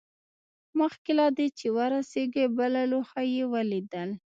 مخکې له دې چې ورسیږي بله لوحه یې ولیدل